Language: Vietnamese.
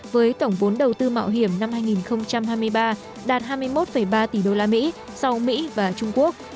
với tổng vốn đầu tư mạo hiểm năm hai nghìn hai mươi ba đạt hai mươi một ba tỷ usd sau mỹ và trung quốc